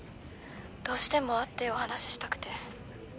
どうしても会ってお話ししたくて。